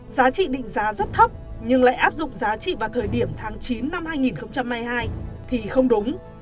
giá trị định giá rất thấp nhưng lại áp dụng giá trị vào thời điểm tháng chín năm hai nghìn hai mươi hai thì không đúng